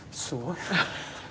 すごいな。